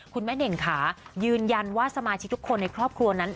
คุณแม่เน่งค่ะยืนยันว่าสมาชิกทุกคนในครอบครัวนั้น